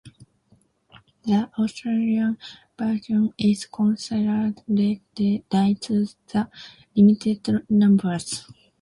The Australian version is considered rare due to the limited numbers.